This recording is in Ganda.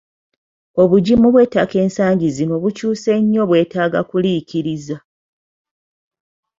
Obugimu bw'ettaka ensangi zino bukyuse nnyo bwetaaga kuliikiriza.